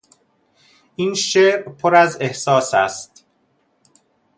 این شعر پر از احساس است.